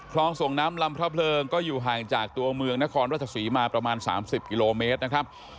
ส่งน้ำลำพระเพลิงก็อยู่ห่างจากตัวเมืองนครราชศรีมาประมาณ๓๐กิโลเมตรนะครับ